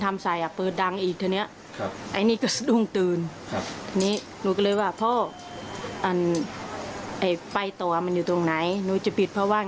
แล้วอาจจะเป็นเพราะว่าพี่น๊อปนี่ก็บันดาลโทษศัตริย์ใช่ไหม